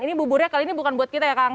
ini buburnya kali ini bukan buat kita ya kang